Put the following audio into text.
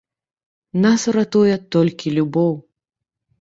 Нас уратуе толькі любоў.